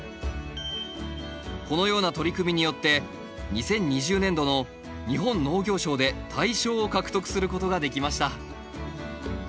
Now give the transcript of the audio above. このような取り組みによって２０２０年度の日本農業賞で大賞を獲得することができました。